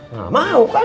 gak mau kan